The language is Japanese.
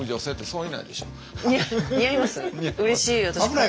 うれしい。